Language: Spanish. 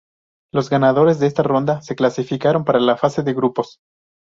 Los ganadores de esta ronda se clasificaron para la fase de grupos.